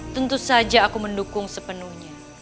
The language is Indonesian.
tentu saja aku mendukung sepenuhnya